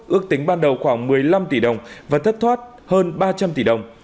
ước tính ban đầu khoảng một mươi năm tỷ đồng và thất thoát hơn ba trăm linh tỷ đồng